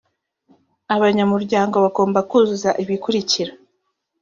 abanyamuryango bagomba kuzuza ibikurikira